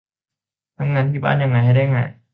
ทำงานที่บ้านยังไงให้ได้งาน